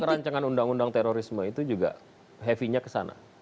termasuk rancangan undang undang terorisme itu juga heavynya kesana